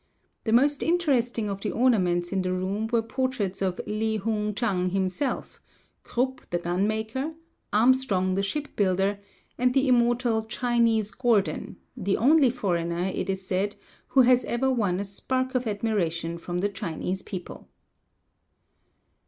The most interesting 200 Across Asia on a Bicycle of the ornaments in the room were portraits of Li Hung Chang himself, Krupp the gun maker, Armstrong the ship builder, and the immortal "Chinese Gordon," the only foreigner, it is said, who has ever won a spark of admiration from the Chinese people.